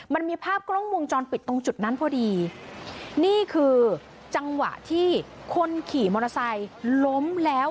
มันมีภาพกล้องวงจรปิดตรงจุดนั้นพอดีนี่คือจังหวะที่คนขี่มอเตอร์ไซค์ล้มแล้ว